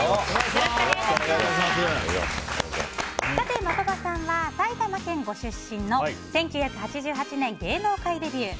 さて、的場さんは埼玉県ご出身の１９８８年、芸能界デビュー。